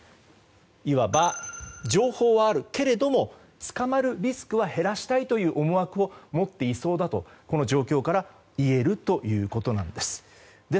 いわば情報はあるけれども捕まるリスクを減らしたいという思惑を持っていそうだとこの状況からいえるということです。